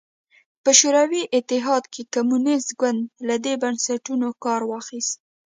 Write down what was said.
په شوروي اتحاد کې کمونېست ګوند له دې بنسټونو کار واخیست